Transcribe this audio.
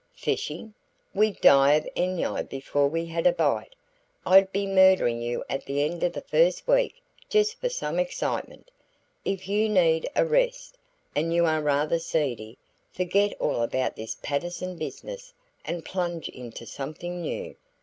"Fishing! We'd die of ennui before we had a bite. I'd be murdering you at the end of the first week just for some excitement. If you need a rest and you are rather seedy forget all about this Patterson business and plunge into something new.